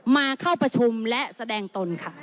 มาเข้าประชุมและแสดงตนค่ะ